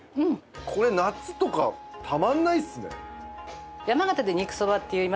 これ夏とかたまんないっすね。